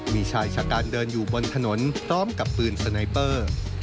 มีชายชะกันเดินอยู่บนถนนพร้อมกับปืนสไนเปอร์